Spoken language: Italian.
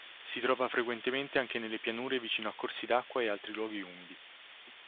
Si trova frequentemente anche nelle pianure vicino a corsi d'acqua e altri luoghi umidi.